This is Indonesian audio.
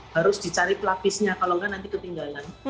harus dicari pelapisnya kalau enggak nanti ketinggalan